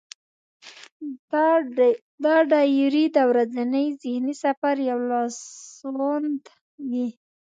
دا ډایري د ورځني ذهني سفر یو لاسوند وي.